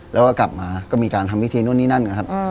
แล้วก็กลับมาก็มีการทำพิธีนู่นนี่นั่นนะครับ